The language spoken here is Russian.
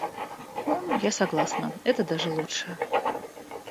Ну, я согласна, это даже лучше.